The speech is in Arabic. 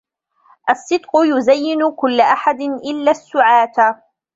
الصِّدْقُ يُزَيِّنُ كُلَّ أَحَدٍ إلَّا السُّعَاةَ